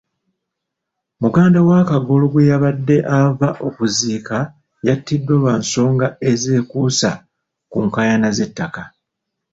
Muganda wa Kagolo gwe yabadde ava okuziika yattiddwa lwa nsonga ezekuusa ku nkaayana z'ettaka.